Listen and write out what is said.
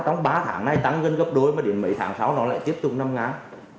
trong ba tháng này tăng gấp đôi mà đến mấy tháng sau nó lại tiếp tục năm ngán